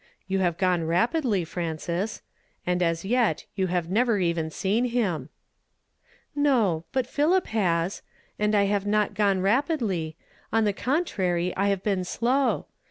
" You have gone rapidly, Frances ; and as yet you have never even seen liim !" "No; but Philip has. And I have not gone rapidly ; on the contrary I liave been slow.